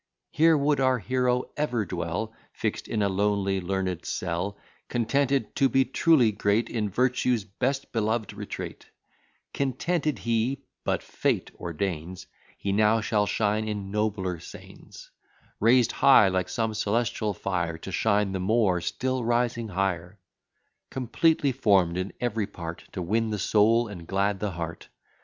Here would our hero ever dwell, Fix'd in a lonely learned cell: Contented to be truly great, In Virtue's best beloved retreat; Contented he but Fate ordains, He now shall shine in nobler scenes, Raised high, like some celestial fire, To shine the more, still rising higher; Completely form'd in every part, To win the soul, and glad the heart.